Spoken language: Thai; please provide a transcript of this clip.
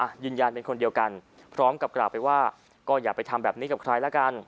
ยืนยันเป็นคนเดียวกันพร้อมกับกล่าวไปว่าก็อย่าไปทำแบบนี้กับใครแล้วกัน